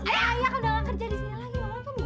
ayah kan udah nggak kerja di sini lagi mana tuh